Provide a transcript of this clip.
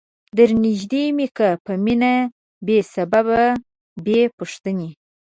در نیژدې می که په مینه بې سببه بې پوښتنی